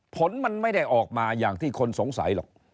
ผลมันไม่ได้ออกมาอย่างที่คนสงสัยหรอก